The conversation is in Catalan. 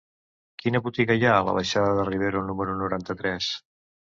Quina botiga hi ha a la baixada de Rivero número noranta-tres?